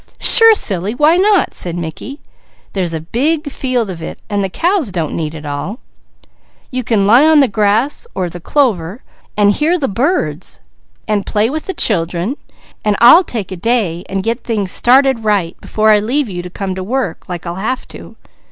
"Sure silly! Why not?" said Mickey. "There's big fields of it, and the cows don't need it all. You can lie on the grass, or the clover, and hear the birds, and play with the children. I'll take a day and get things started right before I leave you to come to work, like I'll have to.